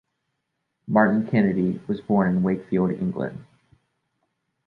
Martin Kennedy was born in Wakefield, England.